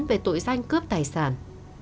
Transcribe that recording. về tội gianh cướp tài sản